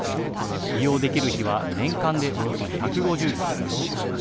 利用できる日は年間でおよそ１５０日。